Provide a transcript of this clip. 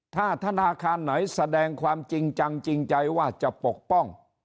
ถ้าธนาคารไหนแสดงความจริงจังจริงใจว่าจะปกป้อง